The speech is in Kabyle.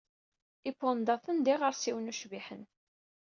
Ipandaten d iɣersiwen ucbiḥen.